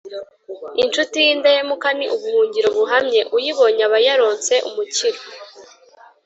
Incuti y’indahemuka ni ubuhungiro buhamye, uyibonye aba yaronse umukiro